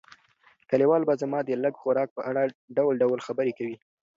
کلیوال به زما د لږ خوراک په اړه ډول ډول خبرې کوي.